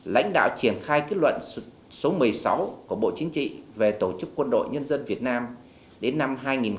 lãnh đạo triển khai kết luận số một mươi sáu của bộ chính trị về tổ chức quân đội nhân dân việt nam đến năm hai nghìn hai mươi